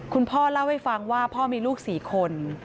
คุณพ่อเล่าให้ฟังว่าพ่อมีลูก๔คน